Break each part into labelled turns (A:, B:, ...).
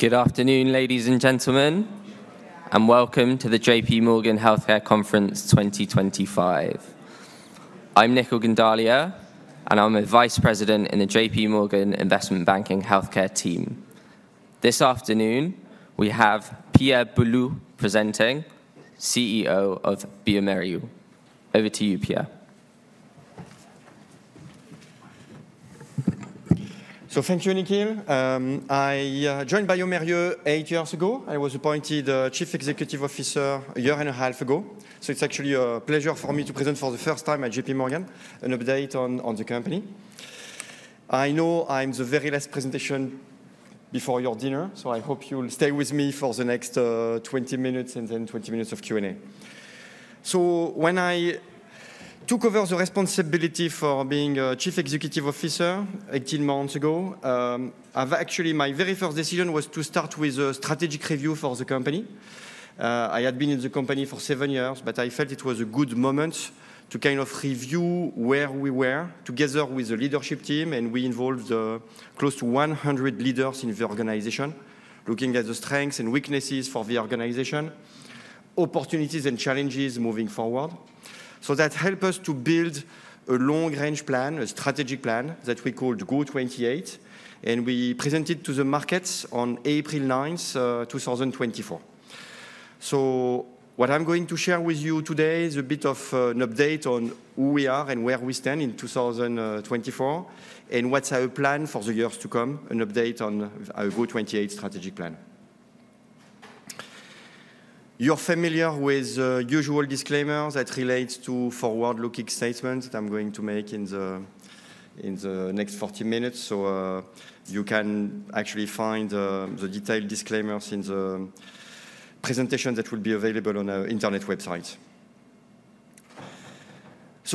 A: Good afternoon, ladies and gentlemen, and welcome to the JPMorgan Healthcare Conference 2025. I'm Nikhil Gondalia, and I'm a Vice President in the JPMorgan Investment Banking Healthcare team. This afternoon, we have Pierre Boulud presenting, CEO of bioMérieux. Over to you, Pierre.
B: Thank you, Nikhil. I joined bioMérieux eight years ago. I was appointed Chief Executive Officer a year and a half ago. It's actually a pleasure for me to present for the first time at JPMorgan an update on the company. I know I'm the very last presentation before your dinner, so I hope you'll stay with me for the next 20 minutes and then 20 minutes of Q&A. When I took over the responsibility for being Chief Executive Officer 18 months ago, actually my very first decision was to start with a strategic review for the company. I had been in the company for seven years, but I felt it was a good moment to kind of review where we were together with the leadership team. We involved close to 100 leaders in the organization, looking at the strengths and weaknesses for the organization, opportunities and challenges moving forward. That helped us to build a long-range plan, a strategic plan that we called GO28, and we presented it to the markets on April 9, 2024. What I'm going to share with you today is a bit of an update on who we are and where we stand in 2024 and what's our plan for the years to come, an update on our GO28 strategic plan. You're familiar with the usual disclaimers that relate to forward-looking statements that I'm going to make in the next 40 minutes. You can actually find the detailed disclaimers in the presentation that will be available on our internet website.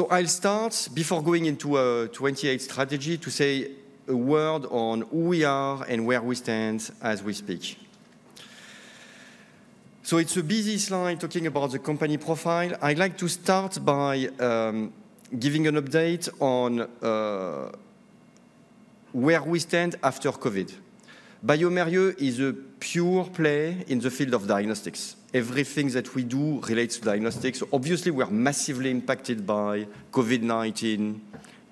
B: I'll start, before going into the GO28 strategy, to say a word on who we are and where we stand as we speak. It's a busy slide talking about the company profile. I'd like to start by giving an update on where we stand after COVID. bioMérieux is a pure play in the field of diagnostics. Everything that we do relates to diagnostics. Obviously, we're massively impacted by COVID-19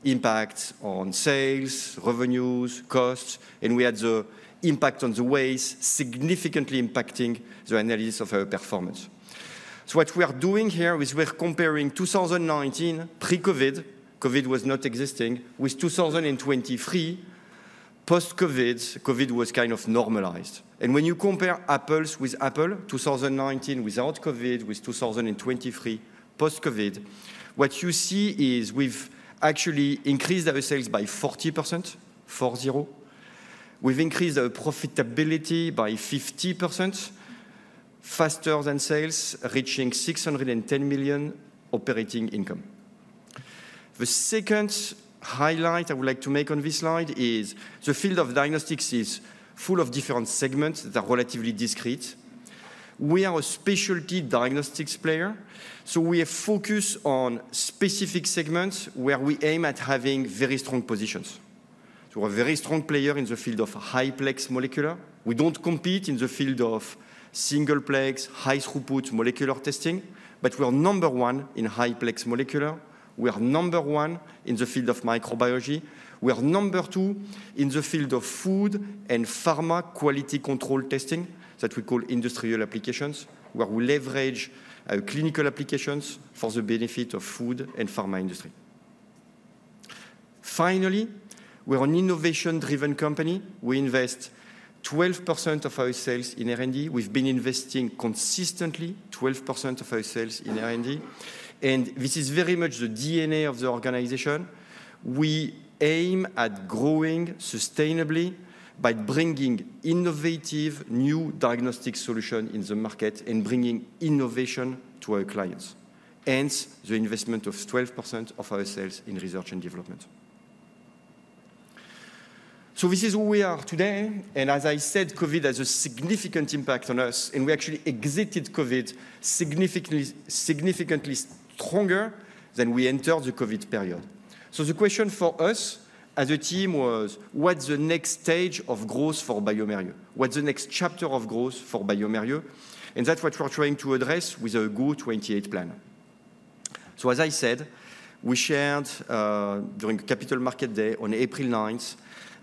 B: impact on sales, revenues, costs, and we had the impact on the ways, significantly impacting the analysis of our performance. What we are doing here is we're comparing 2019 pre-COVID. COVID was not existing, with 2023 post-COVID. COVID was kind of normalized. When you compare apples with apples, 2019 without COVID, with 2023 post-COVID, what you see is we've actually increased our sales by 40%, 40. We've increased our profitability by 50%, faster than sales, reaching 610 million operating income. The second highlight I would like to make on this slide is the field of diagnostics is full of different segments that are relatively discreet. We are a specialty diagnostics player, so we focus on specific segments where we aim at having very strong positions. So we're a very strong player in the field of high-plex molecular. We don't compete in the field of single-plex, high-throughput molecular testing, but we are number one in high-plex molecular. We are number one in the field of microbiology. We are number two in the field of food and pharma quality control testing that we call industrial applications, where we leverage our clinical applications for the benefit of the food and pharma industry. Finally, we're an innovation-driven company. We invest 12% of our sales in R&D. We've been investing consistently 12% of our sales in R&D. And this is very much the DNA of the organization. We aim at growing sustainably by bringing innovative new diagnostic solutions in the market and bringing innovation to our clients, hence the investment of 12% of our sales in research and development. So this is where we are today. And as I said, COVID has a significant impact on us, and we actually exited COVID significantly stronger than we entered the COVID period. So the question for us as a team was, what's the next stage of growth for bioMérieux? What's the next chapter of growth for bioMérieux? And that's what we're trying to address with our GO28 plan. So as I said, we shared during Capital Market Day on April 9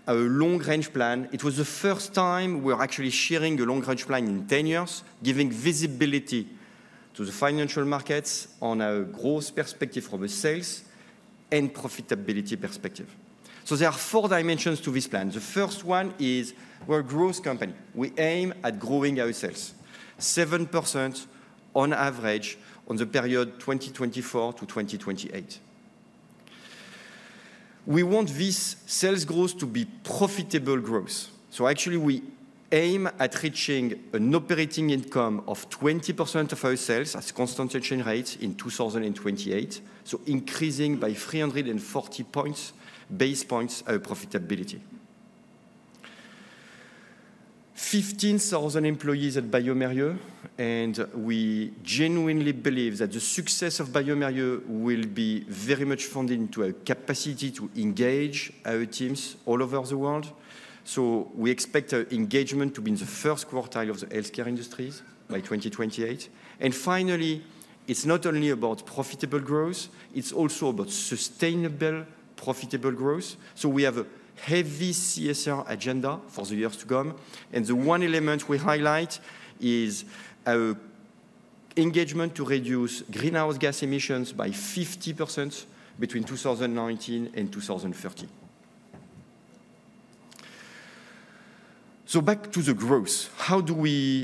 B: our long-range plan. It was the first time we were actually sharing a long-range plan in 10 years, giving visibility to the financial markets on a growth perspective from a sales and profitability perspective. There are four dimensions to this plan. The first one is we're a growth company. We aim at growing our sales, 7% on average on the period 2024 to 2028. We want this sales growth to be profitable growth. Actually, we aim at reaching an operating income of 20% of our sales at constant exchange rate in 2028, so increasing by 340 basis points of profitability. 15,000 employees at bioMérieux, and we genuinely believe that the success of bioMérieux will be very much founded in our capacity to engage our teams all over the world. We expect our engagement to be in the first quartile of the healthcare industries by 2028. And finally, it's not only about profitable growth, it's also about sustainable profitable growth. So we have a heavy CSR agenda for the years to come. And the one element we highlight is our engagement to reduce greenhouse gas emissions by 50% between 2019 and 2030. So back to the growth.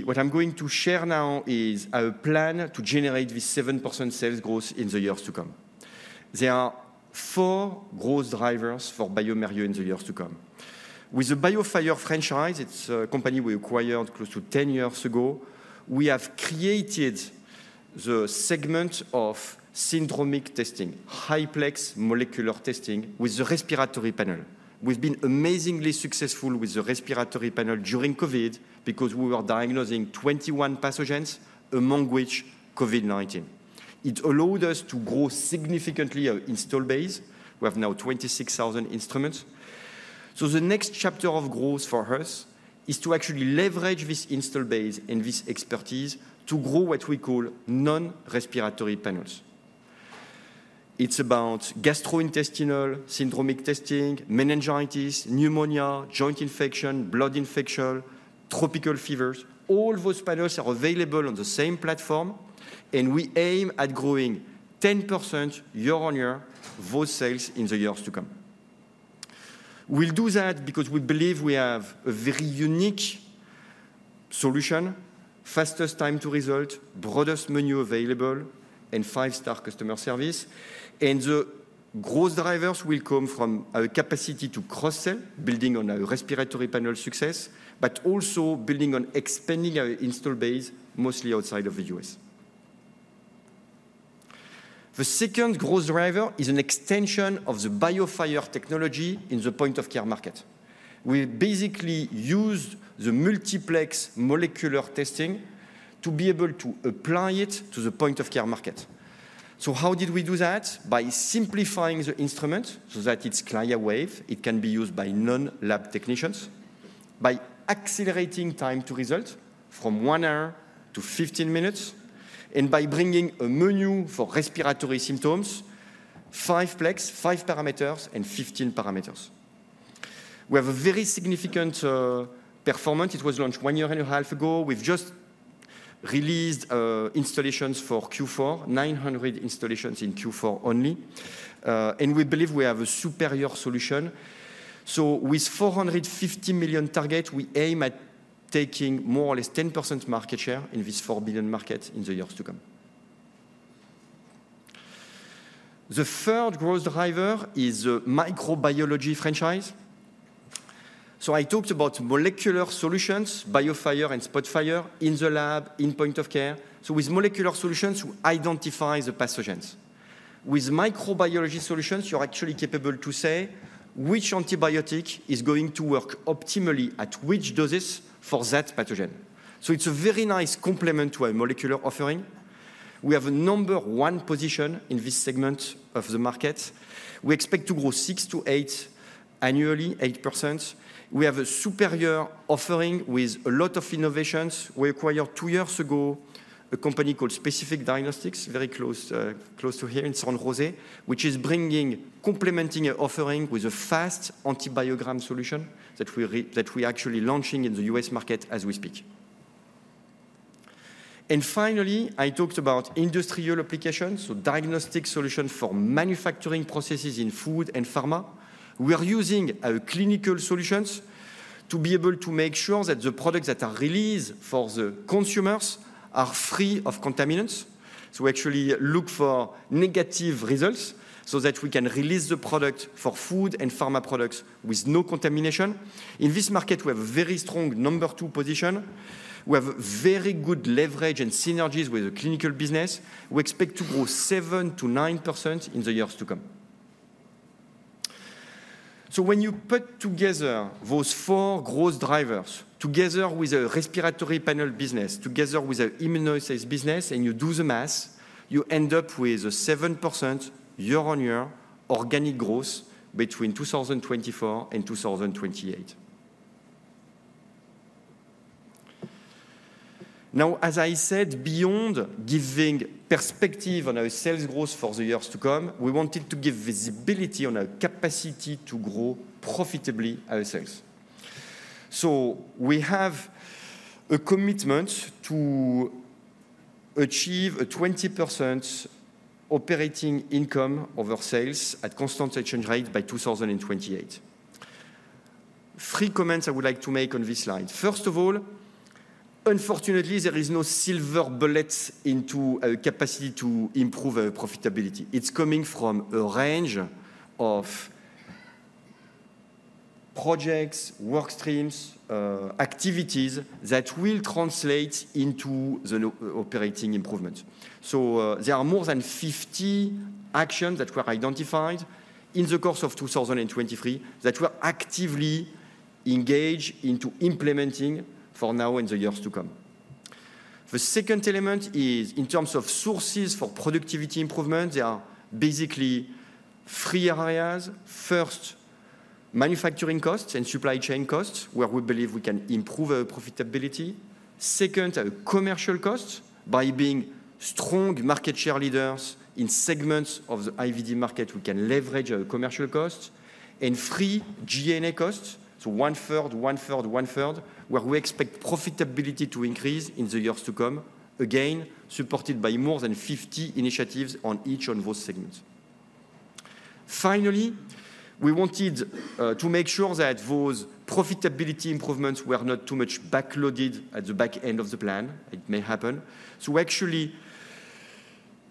B: What I'm going to share now is our plan to generate this 7% sales growth in the years to come. There are four growth drivers for bioMérieux in the years to come. With the BIOFIRE franchise, it's a company we acquired close to 10 years ago, we have created the segment of syndromic testing, high-plex molecular testing with the respiratory panel. We've been amazingly successful with the respiratory panel during COVID because we were diagnosing 21 pathogens, among which COVID-19. It allowed us to grow significantly our install base. We have now 26,000 instruments. The next chapter of growth for us is to actually leverage this install base and this expertise to grow what we call non-respiratory panels. It's about gastrointestinal syndromic testing, meningitis, pneumonia, joint infection, blood infection, tropical fevers. All those panels are available on the same platform, and we aim at growing 10% year-on-year, those sales in the years to come. We'll do that because we believe we have a very unique solution, fastest time to result, broadest menu available, and five-star customer service. And the growth drivers will come from our capacity to cross-sell, building on our respiratory panel success, but also building on expanding our install base mostly outside of the U.S. The second growth driver is an extension of the BIOFIRE technology in the point-of-care market. We basically used the multiplex molecular testing to be able to apply it to the point-of-care market. So how did we do that? By simplifying the instrument so that it's decentralized, it can be used by non-lab technicians, by accelerating time to result from one hour to 15 minutes, and by bringing a menu for respiratory symptoms, five plex, five parameters, and 15 parameters. We have a very significant performance. It was launched one year and a half ago. We've just released installations for Q4, 900 installations in Q4 only. And we believe we have a superior solution. So with 450 million target, we aim at taking more or less 10% market share in this 4 billion market in the years to come. The third growth driver is the microbiology franchise. So I talked about molecular solutions, BIOFIRE and SPOTFIRE in the lab, in point-of-care. So with molecular solutions, we identify the pathogens. With microbiology solutions, you're actually capable to say which antibiotic is going to work optimally at which doses for that pathogen. So it's a very nice complement to our molecular offering. We have a number one position in this segment of the market. We expect to grow six to eight annually, 8%. We have a superior offering with a lot of innovations. We acquired two years ago a company called Specific Diagnostics, very close to here in San Jose, which is bringing, complementing our offering with a fast antibiogram solution that we're actually launching in the U.S. market as we speak. And finally, I talked about industrial applications, so diagnostic solutions for manufacturing processes in food and pharma. We are using our clinical solutions to be able to make sure that the products that are released for the consumers are free of contaminants. We actually look for negative results so that we can release the product for food and pharma products with no contamination. In this market, we have a very strong number two position. We have very good leverage and synergies with the clinical business. We expect to grow 7%-9% in the years to come. When you put together those four growth drivers, together with our respiratory panel business, together with our immunoassay business, and you do the math, you end up with a 7% year-on-year organic growth between 2024 and 2028. Now, as I said, beyond giving perspective on our sales growth for the years to come, we wanted to give visibility on our capacity to grow profitably ourselves. We have a commitment to achieve a 20% operating income of our sales at constant exchange rate by 2028. Three comments I would like to make on this slide. First of all, unfortunately, there is no silver bullet into our capacity to improve our profitability. It's coming from a range of projects, work streams, activities that will translate into the operating improvements. So there are more than 50 actions that were identified in the course of 2023 that we're actively engaged into implementing for now and the years to come. The second element is in terms of sources for productivity improvement. There are basically three areas. First, manufacturing costs and supply chain costs, where we believe we can improve our profitability. Second, our commercial costs. By being strong market share leaders in segments of the IVD market, we can leverage our commercial costs. Three G&A costs, so 1/3, 1/3, 1/3, where we expect profitability to increase in the years to come, again, supported by more than 50 initiatives on each of those segments. Finally, we wanted to make sure that those profitability improvements were not too much backloaded at the back end of the plan. It may happen. We actually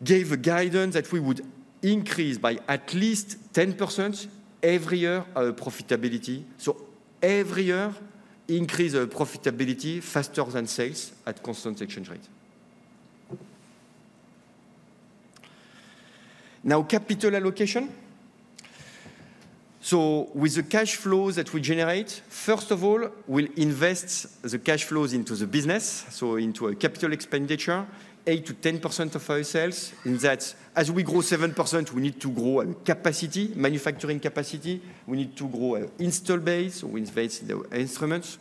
B: gave a guidance that we would increase by at least 10% every year our profitability. Every year, increase our profitability faster than sales at constant exchange rate. Now, capital allocation. With the cash flows that we generate, first of all, we'll invest the cash flows into the business, so into our capital expenditure, 8%-10% of our sales. In that, as we grow 7%, we need to grow our capacity, manufacturing capacity. We need to grow our install base with base instruments.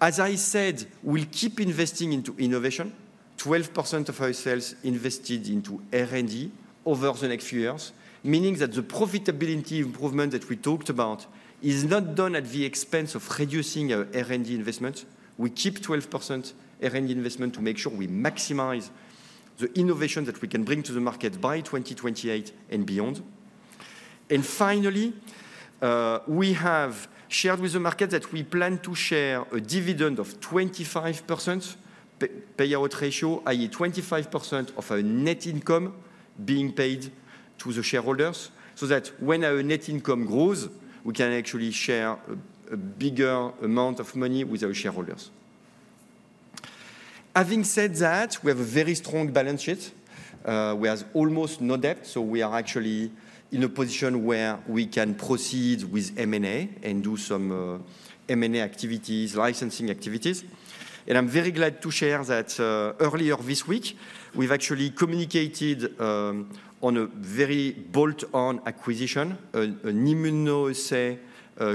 B: As I said, we'll keep investing into innovation. 12% of our sales invested into R&D over the next few years, meaning that the profitability improvement that we talked about is not done at the expense of reducing our R&D investment. We keep 12% R&D investment to make sure we maximize the innovation that we can bring to the market by 2028 and beyond. Finally, we have shared with the market that we plan to share a dividend of 25% payout ratio, i.e., 25% of our net income being paid to the shareholders so that when our net income grows, we can actually share a bigger amount of money with our shareholders. Having said that, we have a very strong balance sheet. We have almost no debt, so we are actually in a position where we can proceed with M&A and do some M&A activities, licensing activities. I'm very glad to share that earlier this week, we've actually communicated on a very bolt-on acquisition, an immunoassay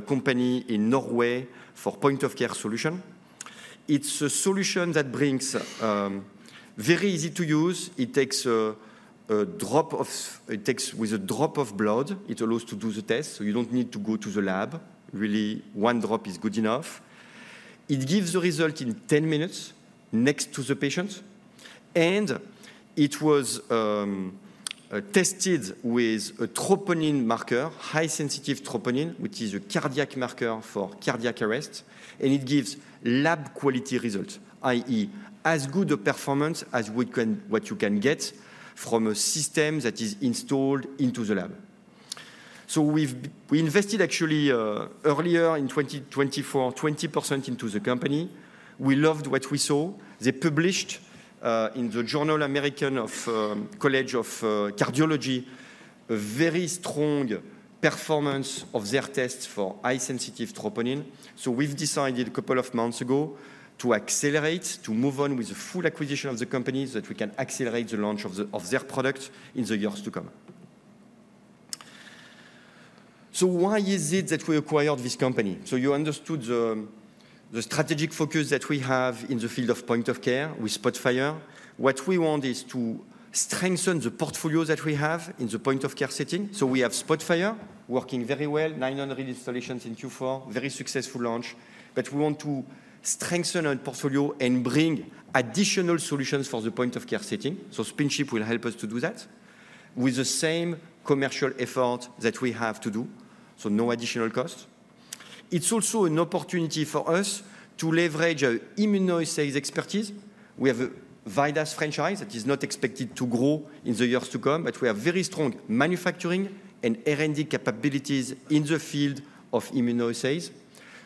B: company in Norway for point-of-care solution. It's a solution that brings very easy to use. It takes a drop of blood. It allows to do the test, so you don't need to go to the lab. Really, one drop is good enough. It gives a result in 10 minutes next to the patient. It was tested with a troponin marker, high-sensitive troponin, which is a cardiac marker for cardiac arrest. It gives lab-quality results, i.e., as good a performance as what you can get from a system that is installed into the lab. We invested actually earlier in 2024, 20% into the company. We loved what we saw. They published in the Journal of the American College of Cardiology a very strong performance of their tests for high-sensitivity troponin. We've decided a couple of months ago to accelerate, to move on with the full acquisition of the company so that we can accelerate the launch of their product in the years to come. Why is it that we acquired this company? You understood the strategic focus that we have in the field of point-of-care with SPOTFIRE. What we want is to strengthen the portfolio that we have in the point-of-care setting. We have SPOTFIRE working very well, 900 installations in Q4, very successful launch. We want to strengthen our portfolio and bring additional solutions for the point-of-care setting. SpinChip will help us to do that with the same commercial effort that we have to do, so no additional cost. It's also an opportunity for us to leverage our immunoassay expertise. We have a VIDAS franchise that is not expected to grow in the years to come, but we have very strong manufacturing and R&D capabilities in the field of immunoassays.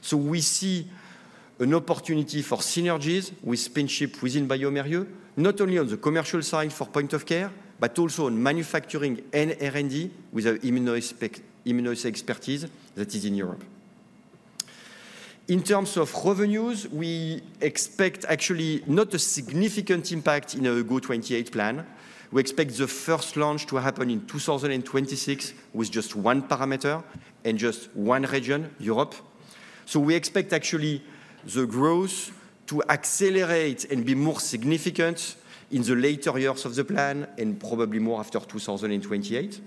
B: So we see an opportunity for synergies with SpinChip within bioMérieux, not only on the commercial side for point-of-care, but also on manufacturing and R&D with our immunoassay expertise that is in Europe. In terms of revenues, we expect actually not a significant impact in our GO28 plan. We expect the first launch to happen in 2026 with just one parameter and just one region, Europe. So we expect actually the growth to accelerate and be more significant in the later years of the plan and probably more after 2028.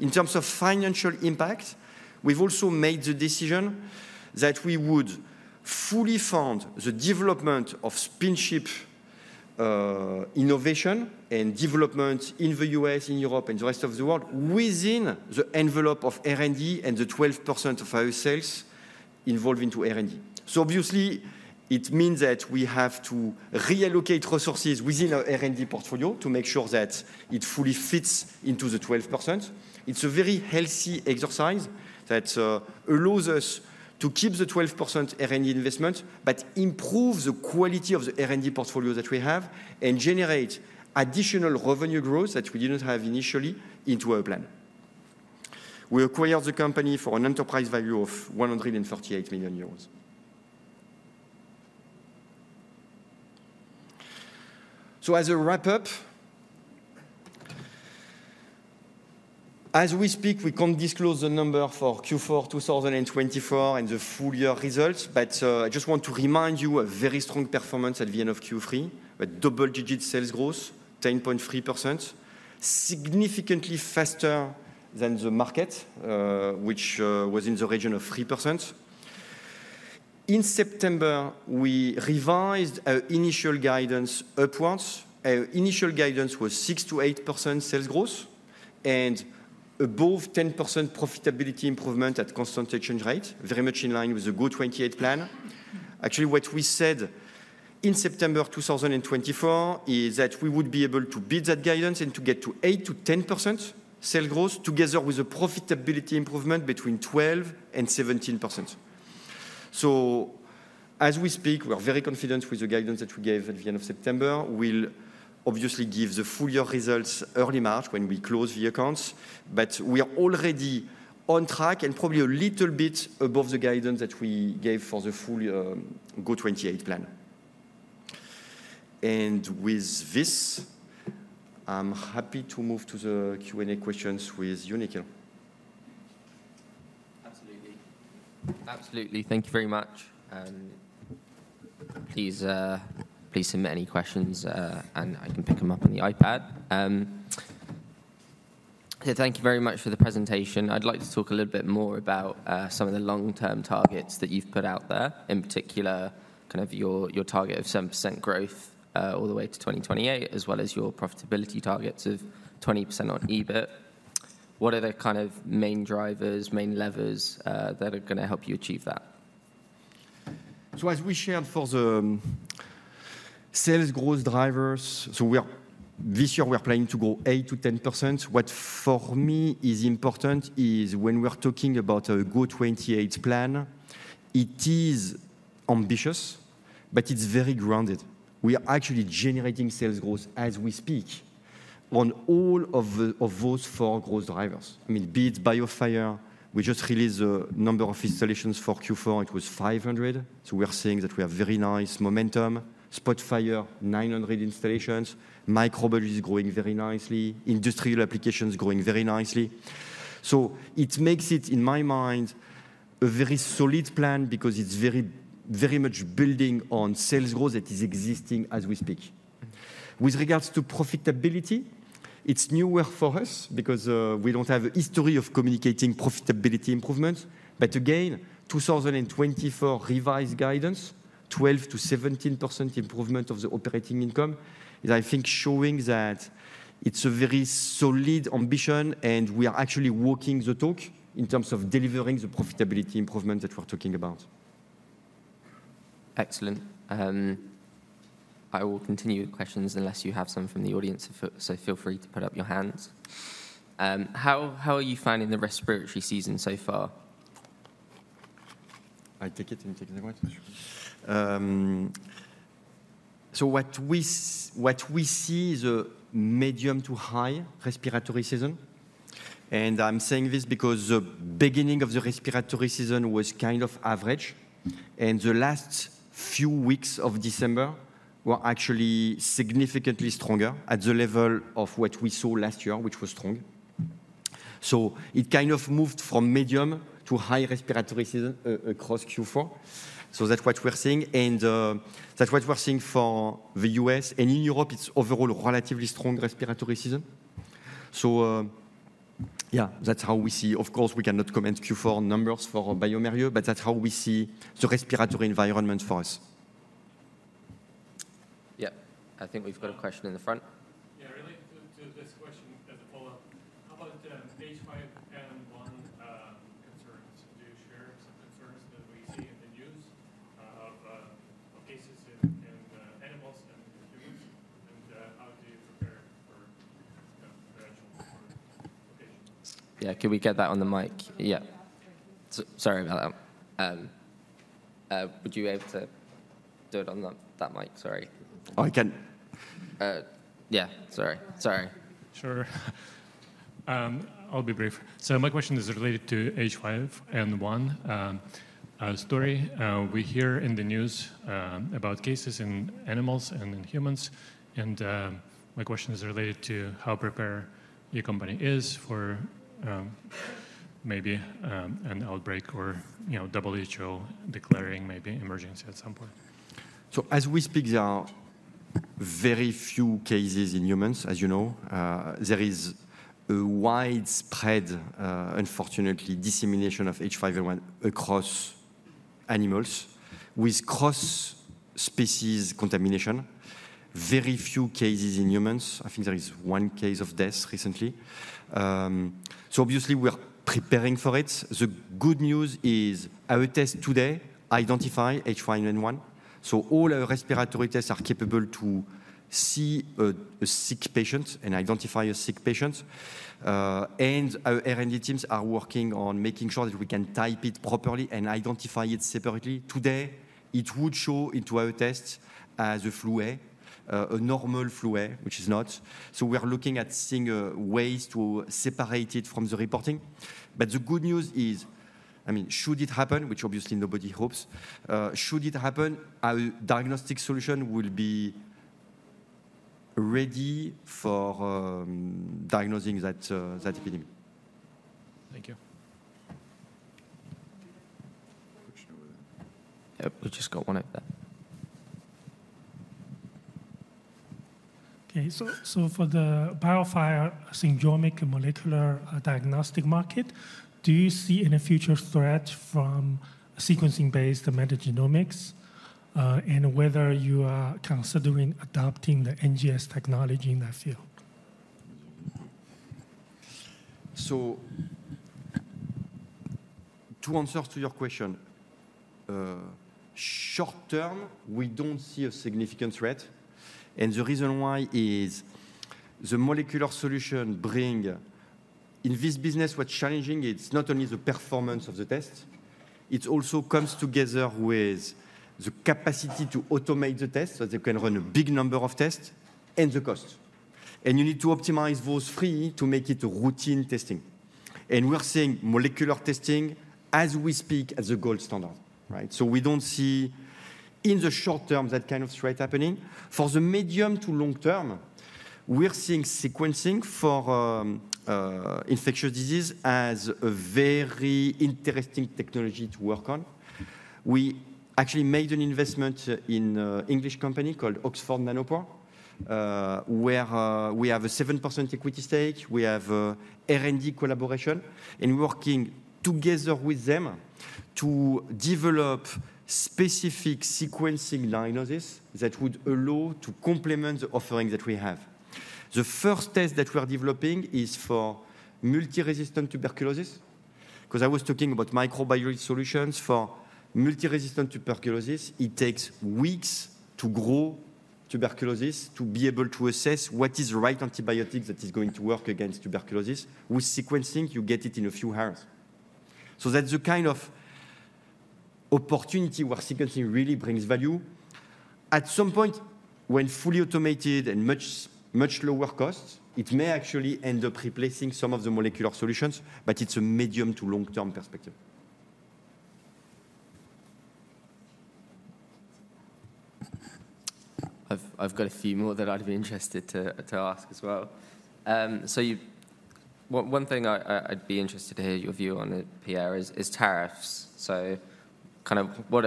B: In terms of financial impact, we've also made the decision that we would fully fund the development of SpinChip innovation and development in the U.S., in Europe, and the rest of the world within the envelope of R&D and the 12% of our sales involved into R&D. So obviously, it means that we have to reallocate resources within our R&D portfolio to make sure that it fully fits into the 12%. It's a very healthy exercise that allows us to keep the 12% R&D investment, but improve the quality of the R&D portfolio that we have and generate additional revenue growth that we didn't have initially into our plan. We acquired the company for an enterprise value of 148 million euros. As a wrap-up, as we speak, we can't disclose the number for Q4 2024 and the full year results, but I just want to remind you of a very strong performance at the end of Q3, a double-digit sales growth, 10.3%, significantly faster than the market, which was in the region of 3%. In September, we revised our initial guidance upwards. Our initial guidance was 6%-8% sales growth and above 10% profitability improvement at constant exchange rate, very much in line with the GO28 plan. Actually, what we said in September 2024 is that we would be able to beat that guidance and to get to 8%-10% sales growth together with a profitability improvement between 12% and 17%. As we speak, we're very confident with the guidance that we gave at the end of September. We'll obviously give the full year results early March when we close the accounts, but we are already on track and probably a little bit above the guidance that we gave for the full year GO28 plan. And with this, I'm happy to move to the Q&A questions with you, Nikhil.
A: Absolutely. Absolutely. Thank you very much. Please submit any questions, and I can pick them up on the iPad. So thank you very much for the presentation. I'd like to talk a little bit more about some of the long-term targets that you've put out there, in particular kind of your target of 7% growth all the way to 2028, as well as your profitability targets of 20% on EBIT. What are the kind of main drivers, main levers that are going to help you achieve that?
B: So as we shared for the sales growth drivers, so this year we're planning to grow 8%-10%. What for me is important is when we're talking about our GO28 plan, it is ambitious, but it's very grounded. We are actually generating sales growth as we speak on all of those four growth drivers. I mean, be it BIOFIRE, we just released the number of installations for Q4. It was 500. So we're seeing that we have very nice momentum. SPOTFIRE, 900 installations. Microbiology is growing very nicely. Industrial applications are growing very nicely. So it makes it, in my mind, a very solid plan because it's very much building on sales growth that is existing as we speak. With regards to profitability, it's newer for us because we don't have a history of communicating profitability improvements. But again, 2024 revised guidance, 12%-17% improvement of the operating income is, I think, showing that it's a very solid ambition, and we are actually walking the talk in terms of delivering the profitability improvement that we're talking about.
A: Excellent. I will continue questions unless you have some from the audience, so feel free to put up your hands. How are you finding the respiratory season so far?
B: I take it. You take it away. So what we see is a medium to high respiratory season. And I'm saying this because the beginning of the respiratory season was kind of average, and the last few weeks of December were actually significantly stronger at the level of what we saw last year, which was strong. So it kind of moved from medium to high respiratory season across Q4. So that's what we're seeing. And that's what we're seeing for the U.S. And in Europe, it's overall a relatively strong respiratory season. So yeah, that's how we see. Of course, we cannot comment Q4 numbers for bioMérieux, but that's how we see the respiratory environment for us.
A: Yeah, I think we've got a question in the front. Yeah, related to this question as a follow-up, how about H5N1 concerns? Do you share some concerns that we see in the news of cases in animals and humans? And how do you prepare for the actual location? Yeah, can we get that on the mic? Yeah. Sorry about that. Would you be able to do it on that mic? Sorry. I can. Yeah, sorry. Sorry. Sure. I'll be brief. So my question is related to the H5N1 story. We hear in the news about cases in animals and in humans. And my question is related to how prepared your company is for maybe an outbreak or WHO declaring maybe an emergency at some point.
B: So as we speak, there are very few cases in humans. As you know, there is a widespread, unfortunately, dissemination of H5N1 across animals with cross-species contamination. Very few cases in humans. I think there is one case of death recently. So obviously, we're preparing for it. The good news is our test today identified H5N1. So all our respiratory tests are capable to see a sick patient and identify a sick patient. And our R&D teams are working on making sure that we can type it properly and identify it separately. Today, it would show into our tests as a flu A, a normal flu A, which is not. So we're looking at seeing ways to separate it from the reporting. But the good news is, I mean, should it happen, which obviously nobody hopes, should it happen, our diagnostic solution will be ready for diagnosing that epidemic. Thank you.
A: Yep, we just got one up there. Okay, so for the BIOFIRE syndromic molecular diagnostic market, do you see any future threat from sequencing-based metagenomics and whether you are considering adopting the NGS technology in that field?
B: So to answer to your question, short term, we don't see a significant threat. And the reason why is the molecular solution brings in this business what's challenging. It's not only the performance of the test. It also comes together with the capacity to automate the test so that you can run a big number of tests and the cost. And you need to optimize those three to make it routine testing. And we're seeing molecular testing as we speak as a gold standard, right? So we don't see in the short term that kind of threat happening. For the medium to long term, we're seeing sequencing for infectious disease as a very interesting technology to work on. We actually made an investment in an English company called Oxford Nanopore, where we have a 7% equity stake. We have R&D collaboration, and we're working together with them to develop specific sequencing diagnosis that would allow to complement the offering that we have. The first test that we are developing is for multi-resistant tuberculosis. Because I was talking about microbiology solutions for multi-resistant tuberculosis, it takes weeks to grow tuberculosis to be able to assess what is the right antibiotic that is going to work against tuberculosis. With sequencing, you get it in a few hours. So that's the kind of opportunity where sequencing really brings value. At some point, when fully automated and much lower cost, it may actually end up replacing some of the molecular solutions, but it's a medium to long-term perspective.
A: I've got a few more that I'd be interested to ask as well. So one thing I'd be interested to hear your view on it, Pierre, is tariffs. So kind of what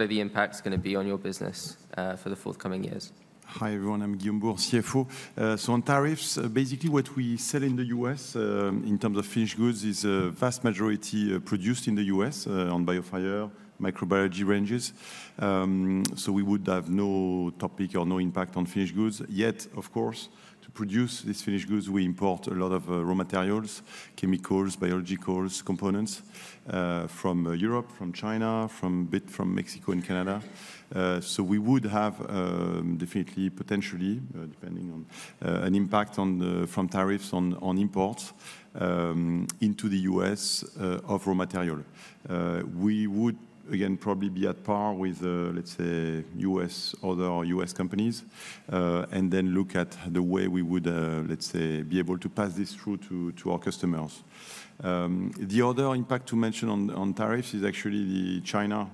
A: are the impacts going to be on your business for the forthcoming years?
C: Hi, everyone. I'm Guillaume Bouhours, CFO. So on tariffs, basically what we sell in the U.S. in terms of finished goods is a vast majority produced in the U.S. on BIOFIRE microbiology ranges. So we would have no topic or no impact on finished goods. Yet, of course, to produce these finished goods, we import a lot of raw materials, chemicals, biological components from Europe, from China, from Mexico and Canada. So we would have definitely, potentially, depending on an impact from tariffs on imports into the U.S. of raw material. We would, again, probably be at par with, let's say, U.S. order or U.S. companies and then look at the way we would, let's say, be able to pass this through to our customers. The other impact to mention on tariffs is actually the China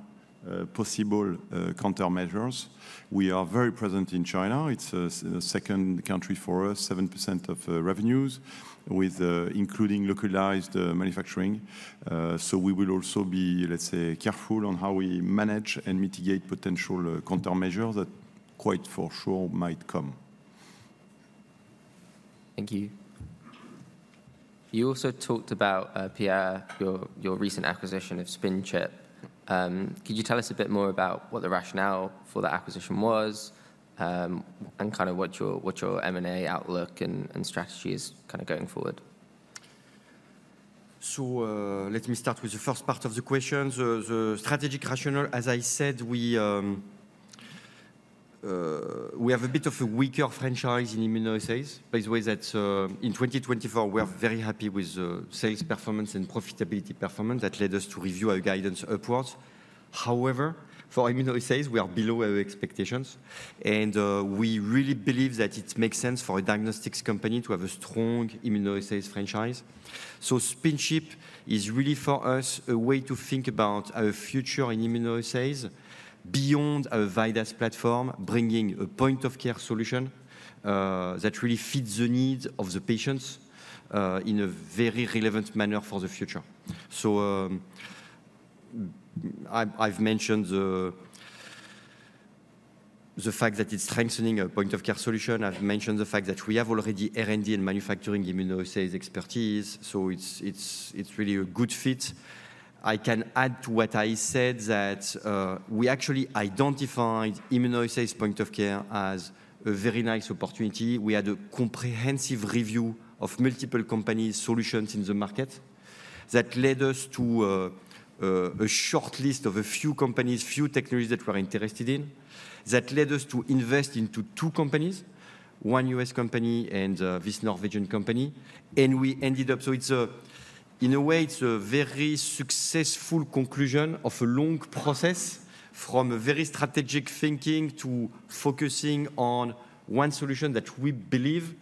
C: possible countermeasures. We are very present in China. It's a second country for us, 7% of revenues, including localized manufacturing. So we will also be, let's say, careful on how we manage and mitigate potential countermeasures that quite for sure might come.
A: Thank you. You also talked about, Pierre, your recent acquisition of SpinChip. Could you tell us a bit more about what the rationale for that acquisition was and kind of what your M&A outlook and strategy is kind of going forward?
B: So let me start with the first part of the question. The strategic rationale, as I said, we have a bit of a weaker franchise in immunoassays. By the way, that's in 2024, we are very happy with the sales performance and profitability performance that led us to review our guidance upwards. However, for immunoassays, we are below our expectations. And we really believe that it makes sense for a diagnostics company to have a strong immunoassays franchise. So SpinChip is really for us a way to think about our future in immunoassays beyond our VIDAS platform, bringing a point-of-care solution that really fits the needs of the patients in a very relevant manner for the future. So I've mentioned the fact that it's strengthening a point-of-care solution. I've mentioned the fact that we have already R&D and manufacturing immunoassays expertise. So it's really a good fit. I can add to what I said that we actually identified immunoassays point-of-care as a very nice opportunity. We had a comprehensive review of multiple companies' solutions in the market that led us to a short list of a few companies, few technologies that we're interested in that led us to invest into two companies, one U.S. company and this Norwegian company, and we ended up, so in a way, it's a very successful conclusion of a long process from a very strategic thinking to focusing on one solution that we believe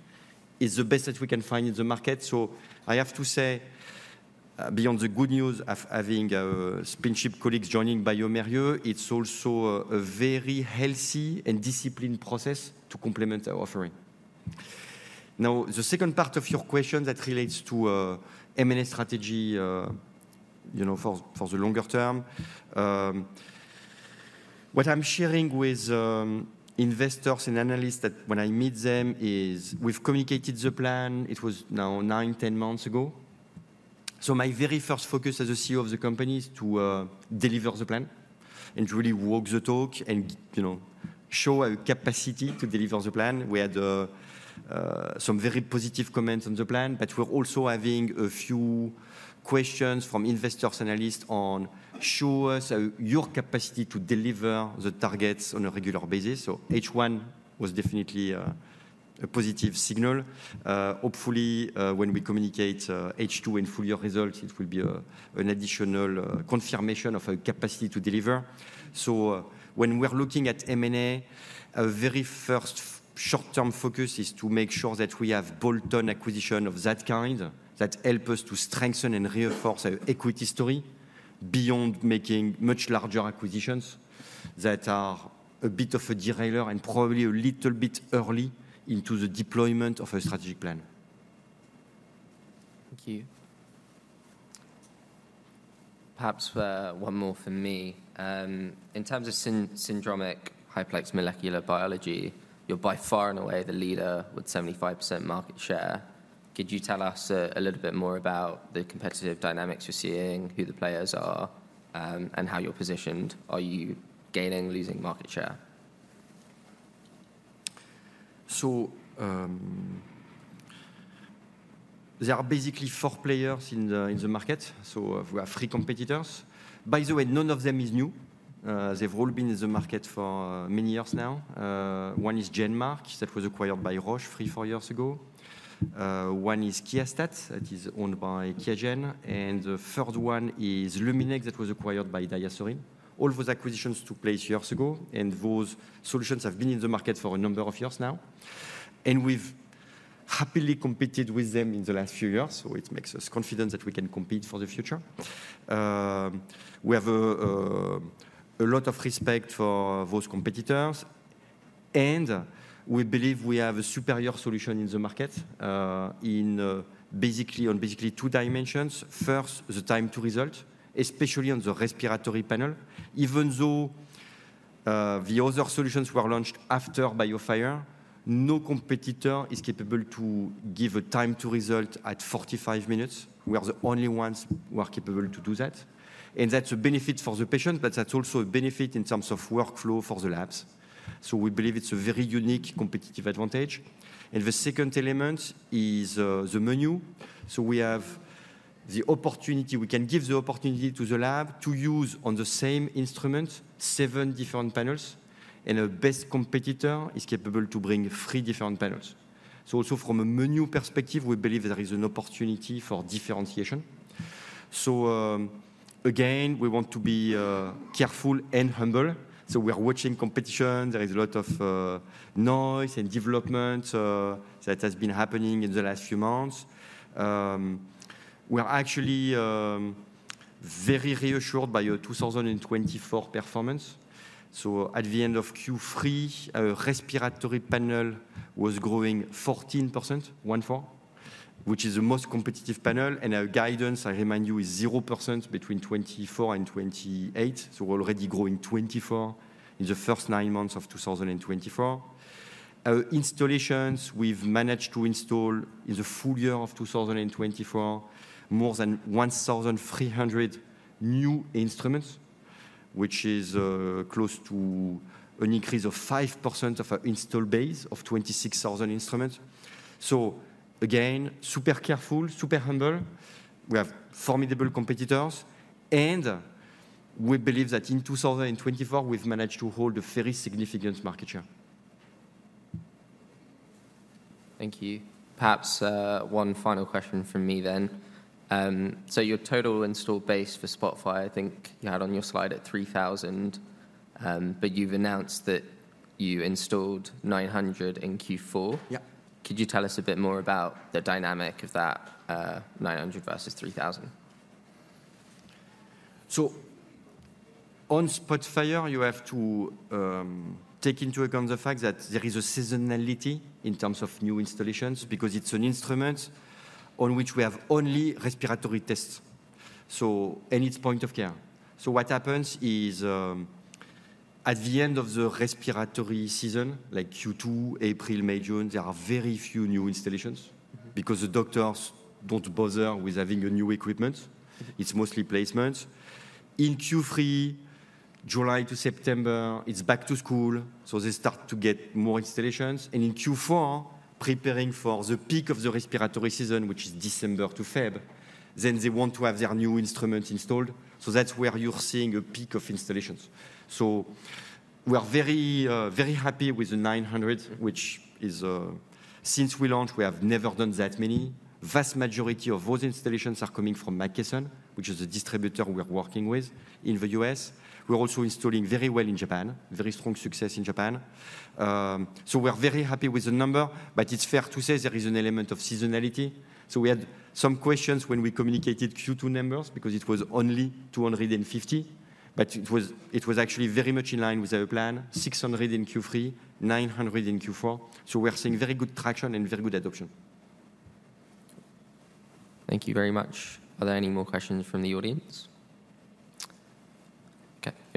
B: is the best that we can find in the market, so I have to say, beyond the good news of having SpinChip colleagues joining bioMérieux, it's also a very healthy and disciplined process to complement our offering. Now, the second part of your question that relates to M&A strategy for the longer term, what I'm sharing with investors and analysts that when I meet them is we've communicated the plan. It was now nine, 10 months ago. So my very first focus as a CEO of the company is to deliver the plan and really walk the talk and show our capacity to deliver the plan. We had some very positive comments on the plan, but we're also having a few questions from investors and analysts on show us your capacity to deliver the targets on a regular basis. So H1 was definitely a positive signal. Hopefully, when we communicate H2 and full year results, it will be an additional confirmation of our capacity to deliver. So when we're looking at M&A, our very first short-term focus is to make sure that we have bolt-on acquisition of that kind that helps us to strengthen and reinforce our equity story beyond making much larger acquisitions that are a bit of a derailer and probably a little bit early into the deployment of our strategic plan.
A: Thank you. Perhaps one more from me. In terms of syndromic high-plex molecular biology, you're by far and away the leader with 75% market share. Could you tell us a little bit more about the competitive dynamics you're seeing, who the players are, and how you're positioned? Are you gaining or losing market share?
B: So there are basically four players in the market. So we have three competitors. By the way, none of them is new. They've all been in the market for many years now. One is GenMark, that was acquired by Roche three or four years ago. One is QIAstat-Dx that is owned by QIAGEN. And the third one is Luminex that was acquired by DiaSorin. All those acquisitions took place years ago, and those solutions have been in the market for a number of years now. And we've happily competed with them in the last few years. So it makes us confident that we can compete for the future. We have a lot of respect for those competitors. And we believe we have a superior solution in the market on basically two dimensions. First, the time to result, especially on the respiratory panel. Even though the other solutions were launched after BIOFIRE, no competitor is capable to give a time to result at 45 minutes. We are the only ones who are capable to do that, and that's a benefit for the patients, but that's also a benefit in terms of workflow for the labs, so we believe it's a very unique competitive advantage, and the second element is the menu, so we have the opportunity, we can give the opportunity to the lab to use on the same instrument seven different panels, and the best competitor is capable to bring three different panels, so also from a menu perspective, we believe there is an opportunity for differentiation, so again, we want to be careful and humble, so we are watching competition. There is a lot of noise and development that has been happening in the last few months. We are actually very reassured by our 2024 performance, so at the end of Q3, our respiratory panel was growing 14%, one quarter, which is the most competitive panel, and our guidance, I remind you, is 0% between 2024 and 2028, so we're already growing 24% in the first nine months of 2024. Our installations, we've managed to install in the full year of 2024 more than 1,300 new instruments, which is close to an increase of 5% of our installed base of 26,000 instruments, so again, super careful, super humble. We have formidable competitors, and we believe that in 2024, we've managed to hold a very significant market share.
A: Thank you. Perhaps one final question from me then. So your total installed base for SPOTFIRE, I think you had on your slide at 3,000, but you've announced that you installed 900 in Q4. Could you tell us a bit more about the dynamic of that 900 versus 3,000?
B: On SPOTFIRE, you have to take into account the fact that there is a seasonality in terms of new installations because it's an instrument on which we have only respiratory tests and it's point of care. What happens is at the end of the respiratory season, like Q2, April, May, June, there are very few new installations because the doctors don't bother with having new equipment. It's mostly placements. In Q3, July to September, it's back to school. They start to get more installations. In Q4, preparing for the peak of the respiratory season, which is December to February, then they want to have their new instruments installed. That's where you're seeing a peak of installations. We're very happy with the 900, which is since we launched, we have never done that many. The vast majority of those installations are coming from McKesson, which is the distributor we're working with in the U.S. We're also installing very well in Japan, very strong success in Japan. So we're very happy with the number, but it's fair to say there is an element of seasonality. So we had some questions when we communicated Q2 numbers because it was only 250, but it was actually very much in line with our plan, 600 in Q3, 900 in Q4. So we're seeing very good traction and very good adoption.
A: Thank you very much. Are there any more questions from the audience?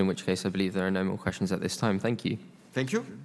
A: Okay. In which case, I believe there are no more questions at this time. Thank you.
B: Thank you.